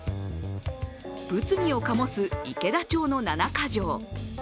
物議を醸す池田町の七か条。